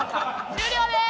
終了です！